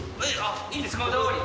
いいんですか？